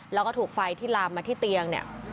แล้วก็ถูกไฟที่ลามมาที่เตียงเนี่ย